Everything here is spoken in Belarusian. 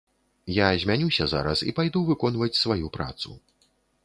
Я змянюся зараз і пайду выконваць сваю працу.